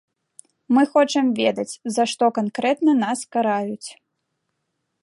Мы хочам ведаць, за што канкрэтна нас караюць.